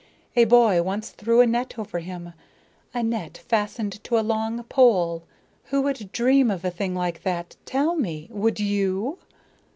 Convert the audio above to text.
A boy once threw a net over him, a net fastened to a long pole. Who would dream of a thing like that? Tell me. Would you?"